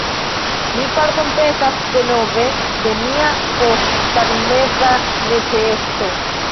Mi pardonpetas, denove, de mia posttagmeza neĉeesto.